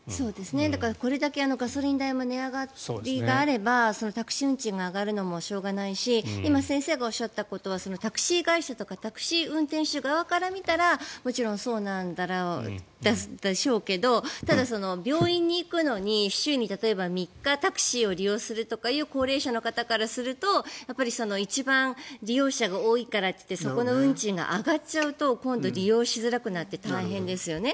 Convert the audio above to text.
これだけガソリン代も値上がりがあればタクシー運賃が上がるのもしょうがないし今、先生がおっしゃったことはタクシー会社とかタクシー運転手側から見ればもちろんそうなんでしょうけどただ、病院に行くのに週に例えば、３日タクシーを利用するとかという高齢者からすると一番利用者が多いからといってそこの運賃が上がっちゃうと今度、利用しづらくなって大変ですよね。